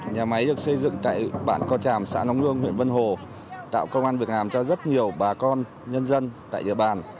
nhà máy được xây dựng tại bản co tràm xã nông lương huyện vân hồ tạo công an việc làm cho rất nhiều bà con nhân dân tại địa bàn